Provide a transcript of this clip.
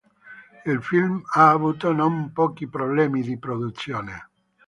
Il film ha avuto non pochi problemi di produzione.